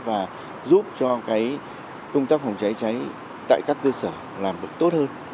và giúp cho công tác phòng cháy cháy tại các cơ sở làm được tốt hơn